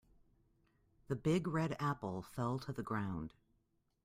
The big red apple fell to the ground.